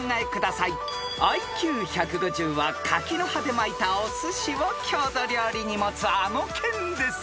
［ＩＱ１５０は柿の葉で巻いたおすしを郷土料理に持つあの県です］